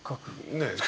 ねえ。